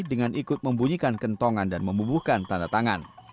dengan ikut membunyikan kentongan dan memubuhkan tanda tangan